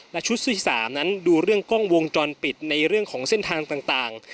และชุดที่๓นั้นดูเรื่องกล้องวงจรปิดในเรื่องของเส้นทางต่าง